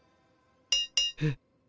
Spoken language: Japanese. えっ。